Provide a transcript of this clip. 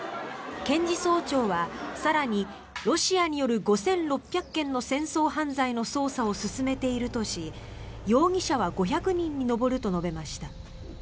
検事総長は更にロシアによる５６００件の戦争犯罪の捜査を進めているとし容疑者は５００人に上ると述べました。